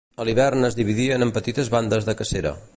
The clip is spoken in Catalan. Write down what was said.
A l'hivern es dividien en petites bandes de cacera.